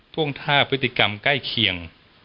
ท่วงท่าพฤติกรรมใกล้เคียง